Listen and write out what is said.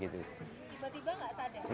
tiba tiba gak sadar